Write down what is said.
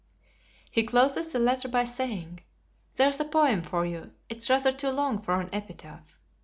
'" He closes the letter by saying, "There's a poem for you; it is rather too long for an epitaph."